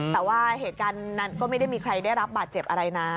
แต่ว่าเหตุการณ์นั้นก็ไม่ได้มีใครได้รับบาดเจ็บอะไรนะ